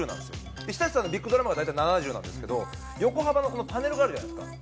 ＨＩＴＡＣＨＩさんのビッグドラムが大体７０なんですけど横幅のパネルがあるじゃないですか。